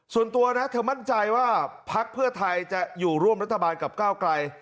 ส่วนตัวนะเธอมั่นใจว่าพักเพื่อไทยจะอยู่ร่วมรัฐบาลกับก้าวไกล